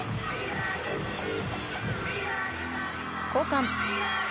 交換。